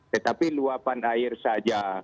tetapi luapan air saja